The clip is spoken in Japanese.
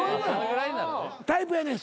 タイプやねん